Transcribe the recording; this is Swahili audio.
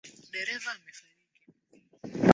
Dereva amefariki.